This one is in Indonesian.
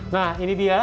nah ini dia